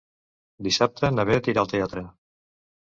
Dissabte na Bet irà al teatre.